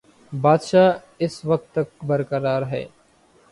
بادشاہ اس وقت تک برقرار ہے۔